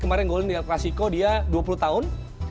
kemarin golnya di el clasico dia dua puluh tahun